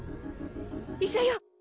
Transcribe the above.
医者よッ！